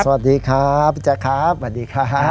สวัสดีครับพี่แจ๊คครับสวัสดีครับ